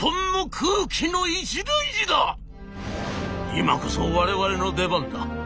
今こそ我々の出番だ。